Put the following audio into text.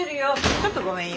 ちょっとごめんよ。